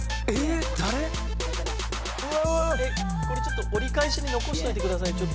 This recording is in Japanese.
これちょっと折り返しに残しといてください。